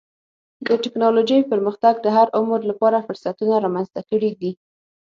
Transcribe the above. د ټکنالوجۍ پرمختګ د هر عمر لپاره فرصتونه رامنځته کړي دي.